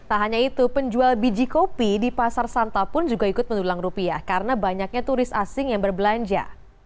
tak hanya itu penjual biji kopi di pasar santa pun juga ikut mendulang rupiah karena banyaknya turis asing yang berbelanja